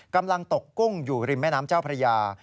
กำลังตกกุ้งอยู่ริมแม่น้ำเจ้าพระยา